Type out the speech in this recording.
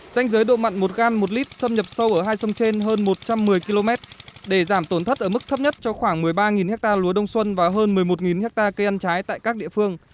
danh giới độ mặn một gram một lit xâm nhập sâu ở hai sông trên hơn một trăm một mươi km để giảm tổn thất ở mức thấp nhất cho khoảng một mươi ba ha lúa đông xuân và hơn một mươi một ha cây ăn trái tại các địa phương